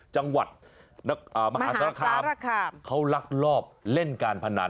จังหวัดมหาสารคามเขาลักลอบเล่นการพนัน